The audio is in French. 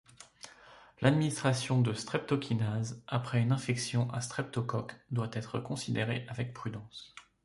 L'administration de streptokinase après une infection à streptocoques doit être considérée avec prudence.